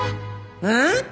うん！？